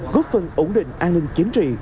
góp phần ổn định an ninh chiến trị